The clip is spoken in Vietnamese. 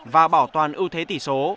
và bảo toàn ưu thế tỷ số